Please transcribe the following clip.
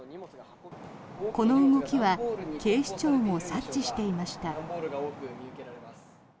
この動きは警視庁も察知していました。